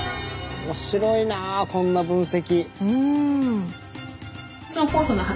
面白いなこんな分析。